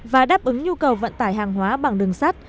và đáp ứng nhu cầu vận tải hàng hóa bằng đường sắt